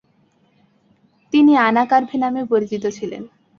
তিনি আনা কারভে নামেও পরিচিত ছিলেন।